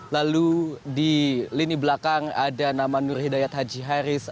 lalu di lini belakang ada naman nurhidayat haji haris